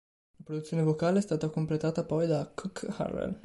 La produzione vocale è stata completata poi da Kuk Harrell.